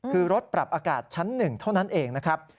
คือรถปรับอากาศชั้น๑เท่านั้นเองนะครับ